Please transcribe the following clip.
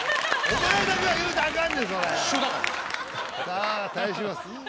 さあ対します。